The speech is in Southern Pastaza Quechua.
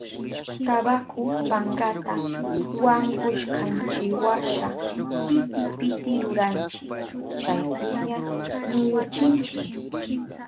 Tabaku pankata wankushkanchiwasha piti piti ruranchi, chaypiña ñuyuchinchi.